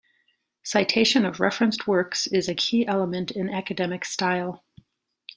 Citation of referenced works is a key element in academic style.